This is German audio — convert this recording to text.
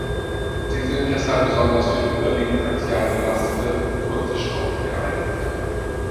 Sie sind deshalb besonders für überwiegend axial belastete, kurze Schrauben geeignet.